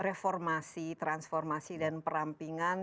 reformasi transformasi dan perampingan